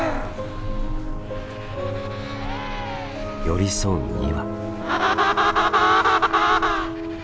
寄り添う２羽。